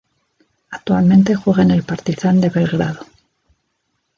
Actualmente juega en el Partizan de Belgrado.